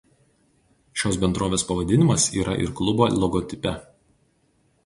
Šios bendrovės pavadinimas yra ir klubo logotipe.